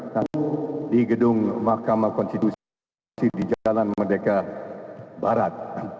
nanti di gedung makamah konstitusi di jalan merdeka barat